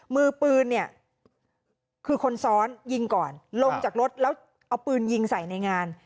มือปืนเนี่ยคือคนซ้อนยิงก่อนลงจากรถแล้วเอาปืนยิงใส่ในงาน